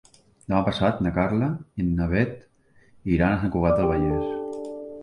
Demà passat na Carla i na Bet iran a Sant Cugat del Vallès.